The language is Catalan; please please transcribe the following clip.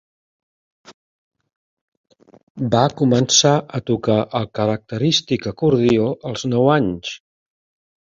Va començar a tocar el característic acordió als nou anys.